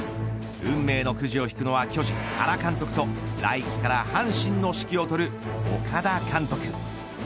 運命のくじを引くのは巨人、原監督と来季から阪神の指揮を執る岡田監督。